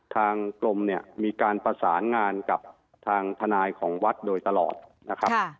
ทางกรมเนี่ยมีการประสานงานกับทางทนายของวัดโดยตลอดนะครับ